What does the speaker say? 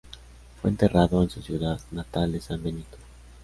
Fue enterrado en su ciudad natal de San Benito.